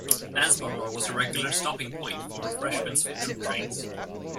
Landsborough was a regular stopping point for refreshments for troop trains.